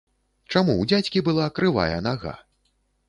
Чаму ў дзядзькі была крывая нага?